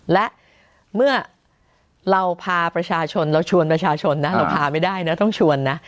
และเมื่อเราพาประชาชนเราชวนประชาชนนะเราพาไม่ได้นะต้องชวนนะ